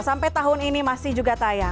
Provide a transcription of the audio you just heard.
sampai tahun ini masih juga tayang